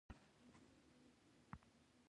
تر ډوډۍ خوړلو وروسته هم مجلس تود و.